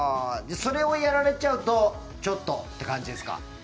それをやられちゃうとちょっとという感じですか。